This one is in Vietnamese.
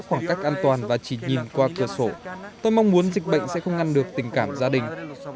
khoảng cách an toàn và chỉ nhìn qua cửa sổ tôi mong muốn dịch bệnh sẽ không ngăn được tình cảm gia đình